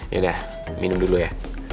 yaudah minum dulu ya